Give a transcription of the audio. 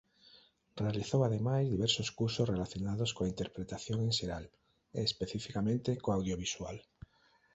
Realizou ademais diversos cursos relacionados coa interpretación en xeral e especificamente co audiovisual.